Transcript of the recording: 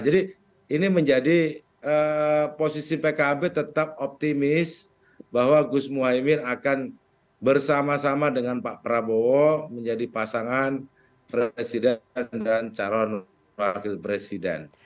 jadi ini menjadi posisi pkb tetap optimis bahwa gus imin akan bersama sama dengan pak prabowo menjadi pasangan presiden dan calon wakil presiden